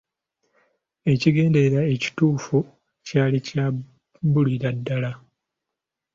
Ekigendererwa ekituufu kyali kyabulira ddala.